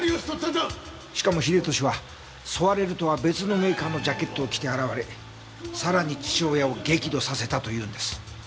しかも英利はソワレルとは別のメーカーのジャケットを着て現れさらに父親を激怒させたというんです。